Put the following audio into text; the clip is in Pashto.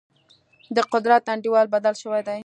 د قدرت انډول بدل شوی دی.